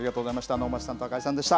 能町さん、赤井さんでした。